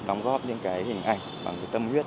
đóng góp những cái hình ảnh bằng cái tâm huyết